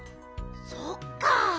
そっか。